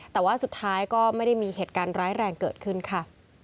แต่ว่าสุดท้ายก็ไม่ได้มีเหตุการณ์ร้ายแรงเกิดขึ้นค่ะ